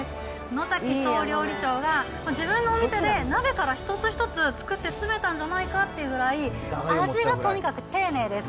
野崎総料理長が、自分のお店で鍋から一つ一つ作って詰めたんじゃないかってぐらい、味がとにかく丁寧です。